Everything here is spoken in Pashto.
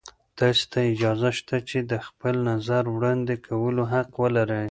تاسې ته اجازه شته چې د خپل نظر وړاندې کولو حق ولرئ.